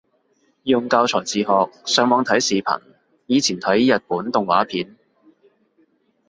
用教材自學，上網睇視頻，以前睇日本動畫片